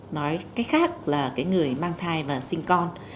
nói cách khác là cái người mang thai và sinh con